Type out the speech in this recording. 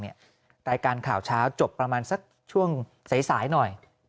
รายการข่าวเช้าจบประมาณสักช่วงสายหน่อย